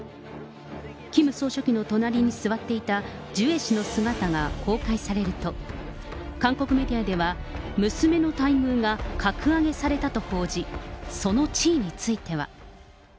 キム総書記の隣に座っていたジュエ氏の姿が公開されると、韓国メディアでは、娘の待遇が格上げされたと報じ、その地位については。